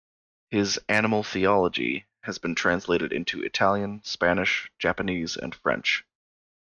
His "Animal Theology" has been translated into Italian, Spanish, Japanese and French.